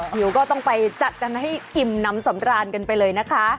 หิวก็ต้องไปจัดกันให้อิ่มน้ำสำราญกันไปเลยนะคะ